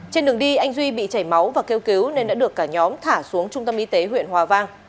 trên đường đi anh duy bị chảy máu và kêu cứu nên đã được cả nhóm thả xuống trung tâm y tế huyện hòa vang